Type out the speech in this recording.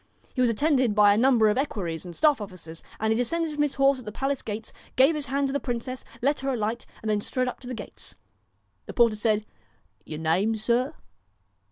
He was attended by a num ber of equeries and staff officers, and he descended from his horse at the palace gates, gave his hand 147 DON'T to the princess, let her alight, and then strode up KNOW to the gates. The porter said :' Your name, sir